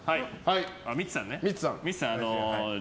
ミッツさんね。